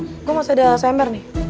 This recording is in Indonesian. ayo gue masih ada semer nih